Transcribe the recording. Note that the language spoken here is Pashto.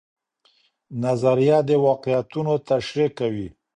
نظریه د واقعیتونو تشریح کوي.